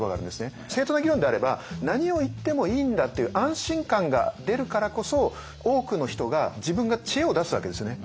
正当な議論であれば何を言ってもいいんだっていう安心感が出るからこそ多くの人が自分が知恵を出すわけですね。